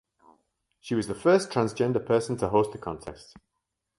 She was the first transgender person to host the contest.